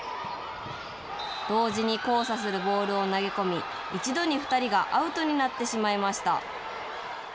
同時に交差するボールを投げ込み、一度に２人がアウトになってしまいました。